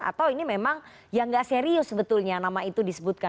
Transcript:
atau ini memang yang nggak serius sebetulnya nama itu disebutkan